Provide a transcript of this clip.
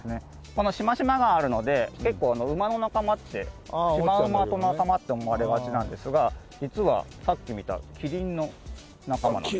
このシマシマがあるので結構ウマの仲間ってシマウマと仲間って思われがちなんですが実はさっき見たキリンの仲間なんです。